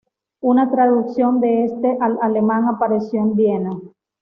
Una traducción de este al alemán apareció en Viena.